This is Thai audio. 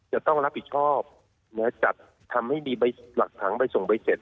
จะต้องรับผิดชอบจัดทำให้มีหลักฐานใบส่งใบเสร็จ